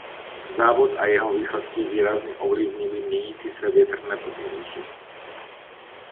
Závod a jeho výsledky výrazně ovlivnily měnící se větrné podmínky.